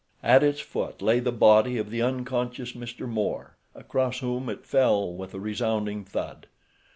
At its foot lay the body of the unconscious Mr. Moore, across whom it fell with a resounding thud.